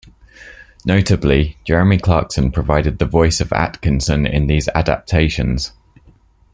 Notably, Jeremy Clarkson provided the voice of Atkinson in these adaptations.